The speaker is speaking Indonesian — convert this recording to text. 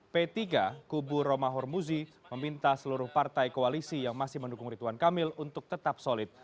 p tiga kubu romah hormuzi meminta seluruh partai koalisi yang masih mendukung rituan kamil untuk tetap solid